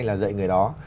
là dạy người đó